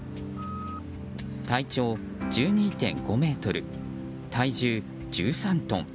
体長１２．５ｍ、体重１３トン。